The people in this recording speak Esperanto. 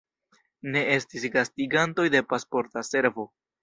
Ne estis gastigantoj de Pasporta Servo.